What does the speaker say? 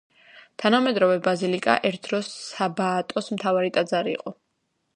თანამედროვე ბაზილიკა, ერთ დროს სააბატოს მთავარი ტაძარი იყო.